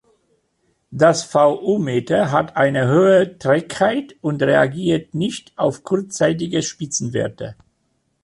Das vu-Meter hat eine hohe Trägheit und reagiert nicht auf kurzzeitige Spitzenwerte.